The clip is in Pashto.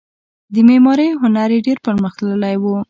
د معمارۍ هنر یې ډیر پرمختللی و